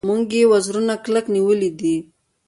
موږ یې وزرونه کلک نیولي دي.